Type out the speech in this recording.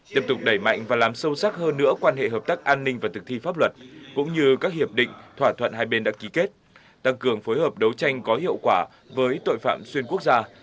tiếp tục đẩy mạnh và làm sâu sắc hơn nữa quan hệ hợp tác an ninh và thực thi pháp luật cũng như các hiệp định thỏa thuận hai bên đã ký kết tăng cường phối hợp đấu tranh có hiệu quả với tội phạm xuyên quốc gia